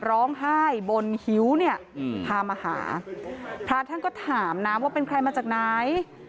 ร้องไห้บนหิวเนี่ยพามาหาพระท่านก็ถามนะว่าเป็นใครมาจากไหน